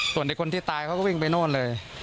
ส่วนไอ้คนที่ตายเขาก็วิ่งไปโน่นเลย